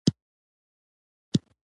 په پنجو به مو راپورته کړل.